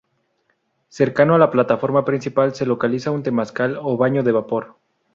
Cercano a la plataforma principal se localiza un temazcal o baño de vapor.